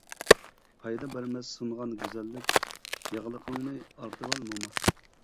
پايدا بەرمەس سۇنغان گۈزەللىك، ياغلىقىڭنى ئارتىۋال موما.